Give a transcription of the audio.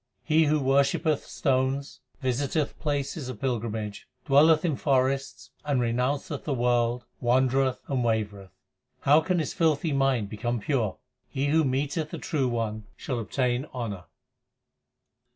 He who worshippeth stones, visiteth places of pilgrimage, dwelleth in forests, And renounceth the world, wandereth and wavereth. How can his filthy mind become pure ? He who meeteth the True One shall obtain honour.